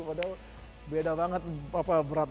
padahal beda banget beratnya